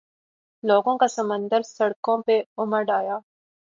لوگوں کا سمندر سڑکوں پہ امڈآیا۔